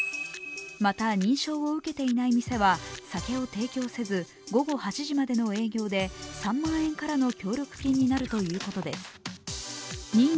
また認証を受けていない店は酒を提供せず午後８時までの営業で３万円からの協力金になるということです。